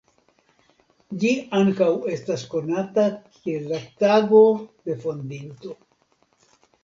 Ĝi ankaŭ estas konata kiel la Tago de Fondinto.